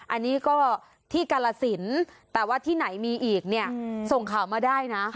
อันนี้ก็ที่กาลสินแต่ว่าที่ไหนมีอีกเนี่ยส่งข่าวมาได้นะ